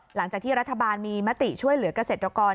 หลังจากที่รัฐบาลมีมติช่วยเหลือกเกษตรกร